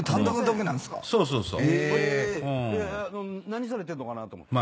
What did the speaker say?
何されてるのかなと思って。